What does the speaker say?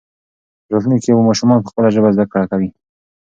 په راتلونکي کې به ماشومان په خپله ژبه زده کړه کوي.